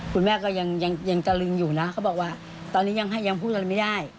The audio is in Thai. คุณแม่ก็ยังตะลึงอยู่นะเขาบอกว่าตอนนี้ยังพูดอะไรไม่ได้